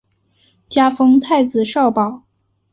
加封太子少保。